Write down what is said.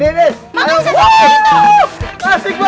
aduh kasihan banget sih masih sepi ya